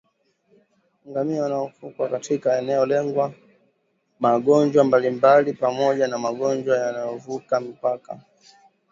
ngamia wanaofugwa katika eneo lengwa magonjwa mbalimbali pamoja na magonjwa yanayovuka mipaka